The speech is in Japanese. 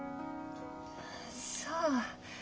そう。